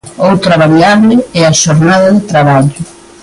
Outra variable é a xornada de traballo.